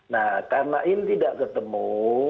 nah karena ini tidak ketemu